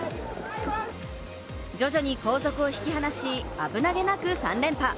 徐々に後続を引き離し危なげなく３連覇。